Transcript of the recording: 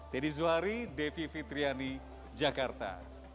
teddy zuhari devi fitriani jakarta